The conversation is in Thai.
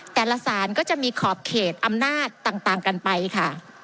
สารก็จะมีขอบเขตอำนาจต่างกันไปค่ะ